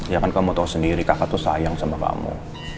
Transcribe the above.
ya kan kamu tahu sendiri kakak tuh sayang sama kamu